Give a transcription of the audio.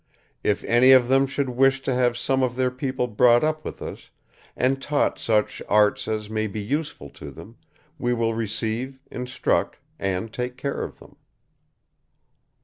If any of them should wish to have some of their people brought up with us, and taught such arts as may be useful to them, we will receive, instruct, and take care of them."